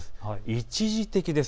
一時的です。